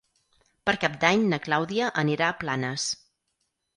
Per Cap d'Any na Clàudia anirà a Planes.